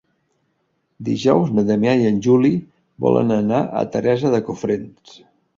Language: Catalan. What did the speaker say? Dijous na Damià i en Juli volen anar a Teresa de Cofrents.